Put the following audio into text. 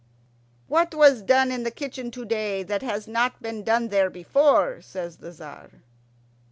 "What was done in the kitchen to day that has not been done there before?" says the Tzar.